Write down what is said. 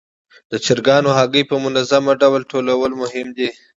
د چرګانو هګۍ په منظم ډول ټولول مهم دي.